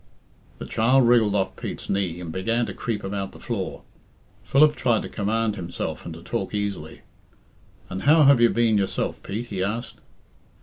The child wriggled off Pete's knee and began to creep about the floor. Philip tried to command himself and to talk easily. "And how have you been yourself, Pete?" he asked.